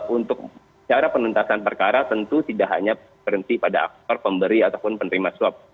untuk cara penentasan perkara tentu tidak hanya berhenti pada akar pemberi ataupun penerima suap